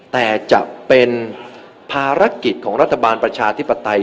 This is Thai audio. แต่จะเป็นภารกิจของรัฐบาลประชาธิปไตย